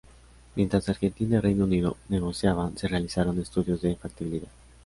Mientras Argentina y Reino Unido negociaban, se realizaron estudios de factibilidad.